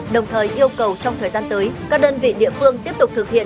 đồng thời yêu cầu trong thời gian tới các đơn vị địa phương tiếp tục thực hiện